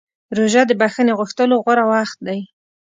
روژه د بښنې غوښتلو غوره وخت دی.